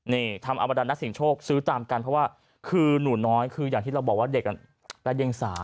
นี่ทำเอาบรรดานักเสียงโชคซื้อตามกันเพราะว่าคือหนูน้อยคืออย่างที่เราบอกว่าเด็กและเดียงสา